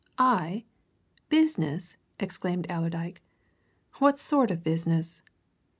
"I? Business?" exclaimed Allerdyke. "What sort of business?"